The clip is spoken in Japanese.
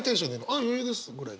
「あっ余裕です」ぐらいの？